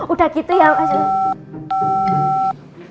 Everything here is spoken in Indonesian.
udah gitu ya mas